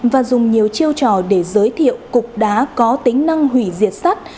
và dùng nhiều chiêu trò để giới thiệu cục đá có tính năng hủy diệt sắt